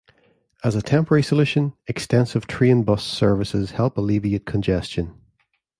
As a temporary solution, extensive train-bus services help alleviate congestion.